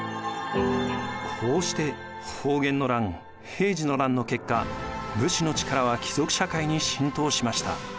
こうして保元の乱・平治の乱の結果武士の力は貴族社会に浸透しました。